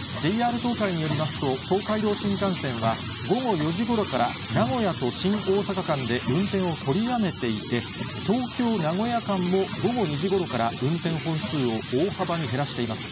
ＪＲ東海によりますと、東海道新幹線は、午後４時ごろから、名古屋と新大阪間で運転を取りやめていて、東京・名古屋間も、午後２時ごろから運転本数を大幅に減らしています。